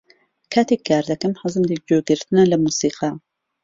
کاتێک کار دەکەم، حەزم لە گوێگرتنە لە مۆسیقا.